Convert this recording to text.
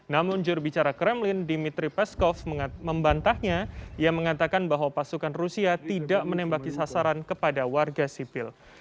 namun jurubicara kremlin dimitri peskov membantahnya yang mengatakan bahwa pasukan rusia tidak menembaki sasaran kepada warga sipil